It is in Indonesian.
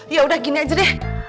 ya udah gini aja deh